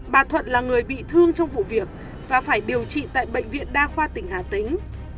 bà thuận là người bị thương trong vụ việc và phải điều trị tại bệnh viện đa khoa tỉnh hà tĩnh